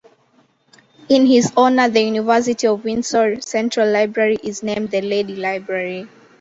In his honour the University of Windsor central library is named the "Leddy Library".